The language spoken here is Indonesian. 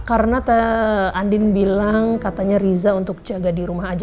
karena andin bilang katanya riza untuk jaga di rumah aja